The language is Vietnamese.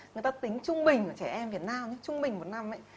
người ta tính trung bình của trẻ em việt nam trung bình một năm ấy